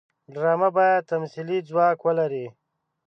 ډرامه باید تمثیلي ځواک ولري